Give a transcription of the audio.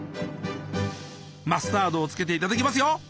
マスタードをつけて頂きますよ。